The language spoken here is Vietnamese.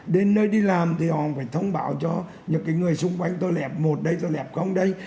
đến nơi đi làm thì họ phải thông báo cho những người xung quanh tôi lẹp một đây tôi lẹp của ông đây